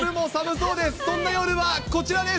そんな夜はこちらです。